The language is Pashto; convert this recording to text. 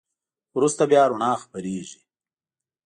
وروسته بیا رڼا خپرېږي.